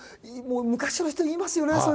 もう昔の人言いますよね